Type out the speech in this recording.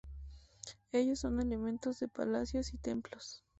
Ellos son elementos de palacios y templos.